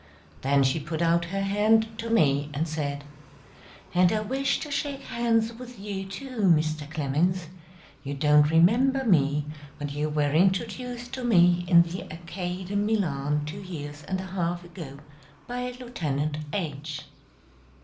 Then she put out her hand to me, and said: "And I wish to shake hands with you too, Mr. Clemens. You don't remember me, but you were introduced to me in the arcade in Milan two years and a half ago by Lieutenant H."